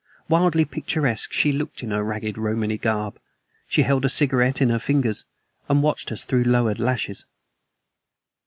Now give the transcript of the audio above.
Wildly picturesque she looked in her ragged Romany garb. She held a cigarette in her fingers and watched us through lowered lashes.